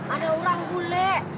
ada orang bule